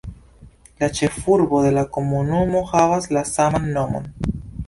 La ĉefurbo de la komunumo havas la saman nomon.